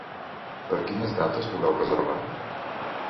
Per quines dates voleu reservar?